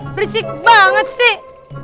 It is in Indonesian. berisik banget sih